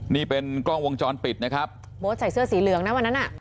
นี่เป็นกล้องวงจรปิดนะครับโบ๊ทใส่เสื้อสีเหลืองนะวันนั้นอ่ะ